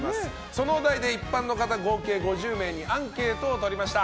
そのお題で一般の方合計５０名にアンケートを取りました。